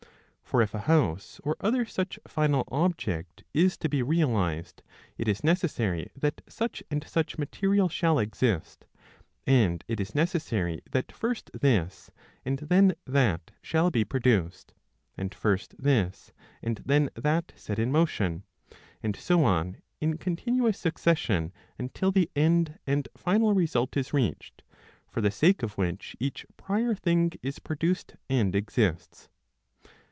For if a house or other such final object is to be realised, it is necessary that such and such material shall exist ; and it is necessary that first this and then that shall be produced, and first this and then that set in motion, and so on in continuous succession, until the end and final result is reached, for the sake of which each prior thing is produced and exists.